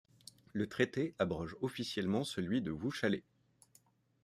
Le traité abroge officiellement celui de Wuchale.